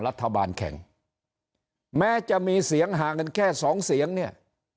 รัฐบาลแข่งแม้จะมีเสียงห่างกันแค่สองเสียงเนี่ย